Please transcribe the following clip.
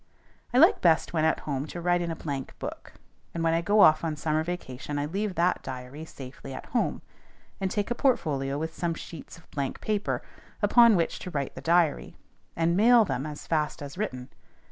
I like best when at home to write in a blank book; and when I go off on a summer vacation I leave that diary safely at home, and take a portfolio with some sheets of blank paper upon which to write the diary, and mail them as fast as written.